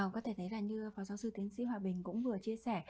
có thể thấy là như phó giáo sư tiến sĩ hòa bình cũng vừa chia sẻ